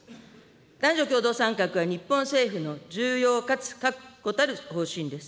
男女共同参画は日本政府の重要かつ確固たる方針です。